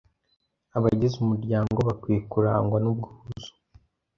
Abagize umuryango bakwiye kurangwa n’ubwuzu